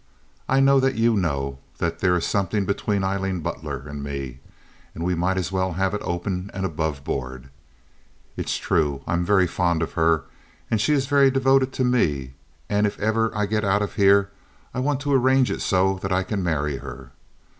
I know that you know that there is something between Aileen Butler and me, and we might as well have it open and aboveboard. It's true I am very fond of her and she is very devoted to me, and if ever I get out of here I want to arrange it so that I can marry her.